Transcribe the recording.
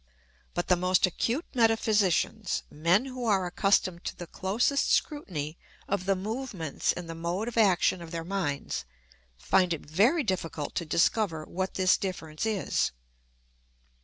But the most acute metaphysicians men who are accustomed to the closest scrutiny of the movements and the mode of action of their minds find it very difficult to discover what this difference is.